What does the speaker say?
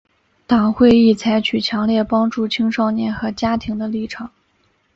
党会议采取强烈帮助青少年和家庭的立场。